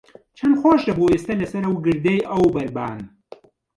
چەند خۆش دەبوو ئێستا لەسەر ئەو گردەی ئەوبەر بام.